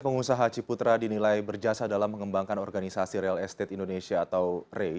pengusaha ciputra dinilai berjasa dalam mengembangkan organisasi real estate indonesia atau rei